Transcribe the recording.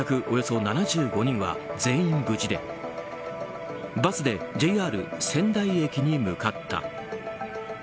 およそ７５人は全員無事でバスでＪＲ仙台駅に向かった。